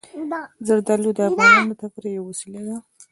زردالو د افغانانو د تفریح یوه وسیله ده.